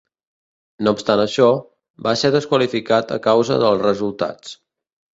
No obstant això, va ser desqualificat a causa dels resultats.